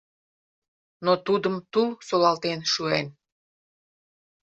Но тудым тул солалтен шуэн.